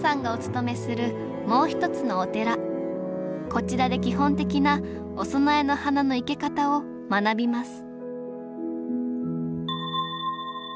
こちらで基本的なお供えの花の生け方を学びます